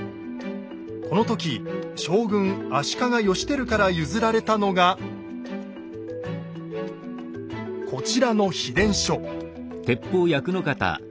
この時将軍・足利義輝から譲られたのがこちらの秘伝書。